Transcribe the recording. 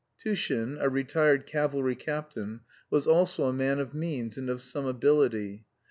Tushin, a retired cavalry captain, was also a man of means, and of some ability.